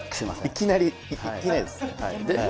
いきなりいきなりですね。